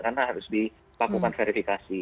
karena harus dilakukan verifikasi